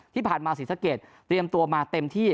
ที่ผ่านมาศรีสะเกดเตรียมตัวมาเต็มที่